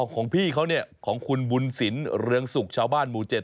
ของพี่เขาเนี่ยของคุณบุญสินเรืองสุกชาวบ้านหมู่๗